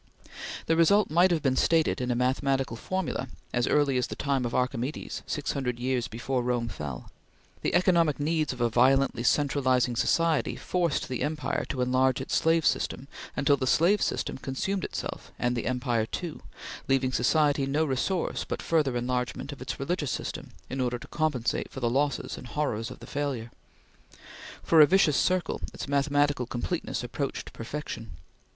The result might have been stated in a mathematical formula as early as the time of Archimedes, six hundred years before Rome fell. The economic needs of a violently centralizing society forced the empire to enlarge its slave system until the slave system consumed itself and the empire too, leaving society no resource but further enlargement of its religious system in order to compensate for the losses and horrors of the failure. For a vicious circle, its mathematical completeness approached perfection.